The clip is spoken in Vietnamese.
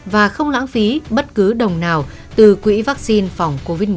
và không lãng phí bất cứ đồng nào từ quỹ vắc xin phòng covid một mươi chín